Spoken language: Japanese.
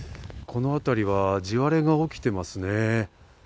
このあたりは地割れが起きていますね。